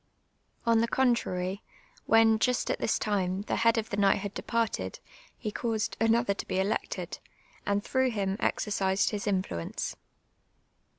On the contrary, when, just at this time, the head of the knighthood departed, he caused another to be elected, and tlirough him exercised his inllucnce.